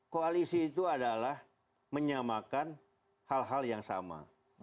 koalisi itu adalah menyamakan hal hal yang sama